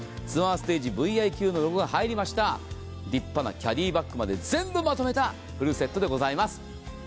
ツアーステージＶｉＱのロゴが入りました立派なキャディバッグまで全部まとめたフルセットでございます。